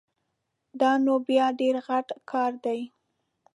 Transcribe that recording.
دا نو بیا ډېر غټ کار ده